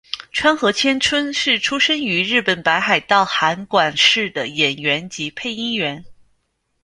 川合千春是出身于日本北海道函馆市的演员及配音员。